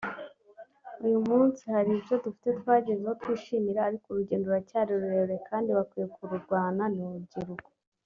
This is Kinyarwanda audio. uyu munsi hari ibyo dufite twagezeho twishimira ariko urugendo ruracyari rurerure kandi bakwiye kururwana ni urubyiruko